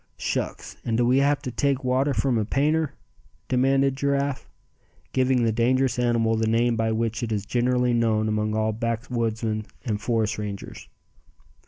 "Shucks! and do we have to take water from a painter?" demanded Giraffe, giving the dangerous animal the name by which it is generally known among all backwoodsmen and forest rangers.